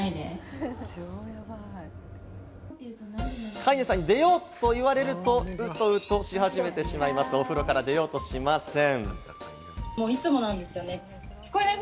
飼い主さんに出ようと言われるとウトウトし始めてしまうんです。お風呂から出ようとしません。